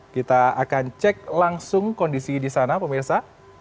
kita akan cek langsung kondisi di sana pemirsa